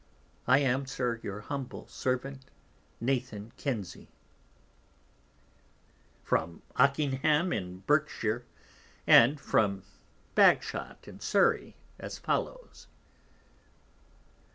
I am, Sir, your humble Servant, Nathan Kinsey. From Okingham in Berkshire, and from Bagshot in Surrey, as follows.